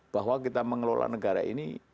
bahwa kita mengelola negara ini